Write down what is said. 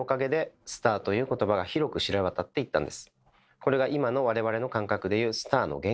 これが今の我々の感覚でいう「スター」の原型なんです。